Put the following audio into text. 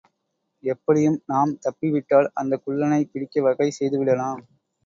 எப்படியும் நாம் தப்பிவிட்டால் அந்தக் குள்ளனைப் பிடிக்க வகை செய்துவிடலாம்.